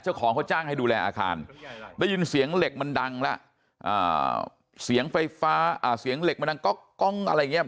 เจ้าของเขาจ้างให้ดูแลอาคารได้ยินเสียงเหล็กมันดังแล้วเสียงไฟฟ้าเสียงเหล็กมันดังก๊อกอะไรอย่างนี้